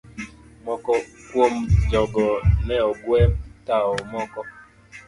Moko kuom jogo ne ogwe tawo, moko